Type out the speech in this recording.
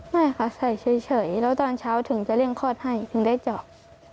ไม่ค่ะใส่เฉยแล้วตอนเช้าถึงจะเร่งคลอดให้ถึงได้เจาะ